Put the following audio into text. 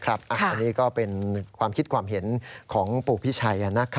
อันนี้ก็เป็นความคิดความเห็นของปู่พิชัย